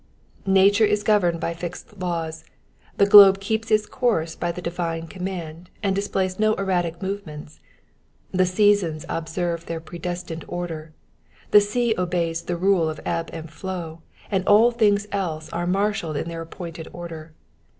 '*^ Nature is governed by fixed laws ; the globe keeps its course by the divine command, and displays no erratic move ments : the seasons observe their predestined order, the sea obeys the rule of ebb and flow, and all things else are marshalled in their appointed order.